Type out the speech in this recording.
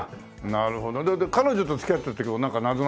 なるほど彼女と付き合ってる時もなんかなぞなぞ出すの？